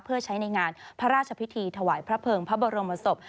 เพื่อใช้ในงานพระราชพิธีถวายพระเภิงพระบรมศพ